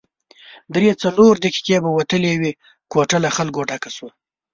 درې څلور دقیقې به وتلې وې، کوټه له خلکو ډکه شوه.